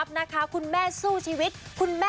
สวัสดีค่ะสวัสดีค่ะ